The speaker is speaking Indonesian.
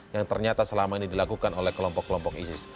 yang ternyata selama ini dilakukan oleh kelompok kelompok isis